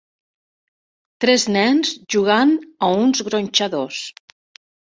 Tres nens jugant a uns gronxadors